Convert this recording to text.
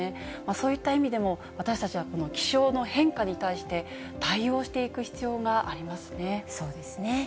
そういった意味でも私たちはこの気象の変化に対して、対応していそうですね。